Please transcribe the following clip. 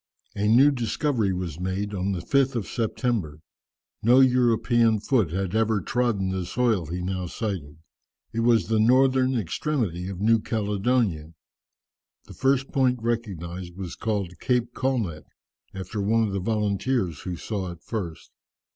A new discovery was made on the 5th of September. No European foot had ever trodden the soil he now sighted. It was the northern extremity of New Caledonia. The first point recognized was called Cape Colnett, after one of the volunteers who saw it first.